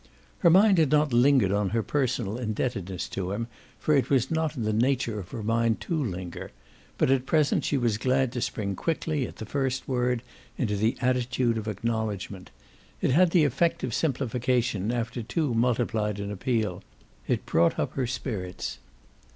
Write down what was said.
Her mind had not lingered on her personal indebtedness to him, for it was not in the nature of her mind to linger; but at present she was glad to spring quickly, at the first word, into the attitude of acknowledgement. It had the effect of simplification after too multiplied an appeal it brought up her spirits.